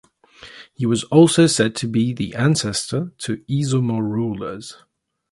He was also said to be the ancestor to Izumo rulers.